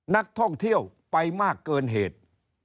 นักท่องเที่ยวไปมากเกินเหตุ